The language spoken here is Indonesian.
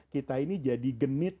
kita ini jadi genit